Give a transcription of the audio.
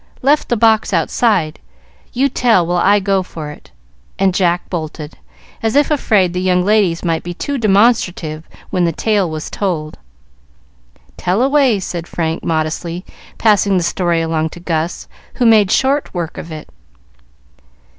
"Left the box outside. You tell while I go for it;" and Jack bolted, as if afraid the young ladies might be too demonstrative when the tale was told. "Tell away," said Frank, modestly passing the story along to Gus, who made short work of it.